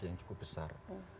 yang cukup besar